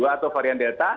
atau varian delta